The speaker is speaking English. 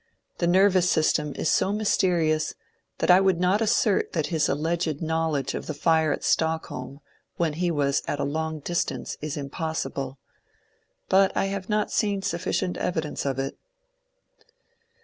The nervous system b so mysterious that I would not assert that his alleged know ledge of the fire at Stockholm when he was at a long distance is impossible, but I have not seen sufficient evidence of it."